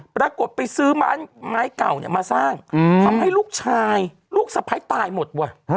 ปรากฏไปซื้อไม้เก่ามาสร้างทำให้ลูกชายลูกสะพ้ายตายหมดว่ะ